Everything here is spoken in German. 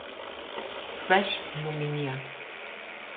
Crash" nominiert.